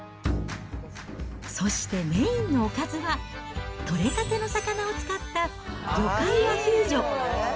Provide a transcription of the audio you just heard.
そしてメインのおかずは取れたての魚を使った魚介アヒージョ。